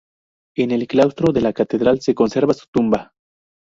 En el claustro de la catedral se conserva su tumba.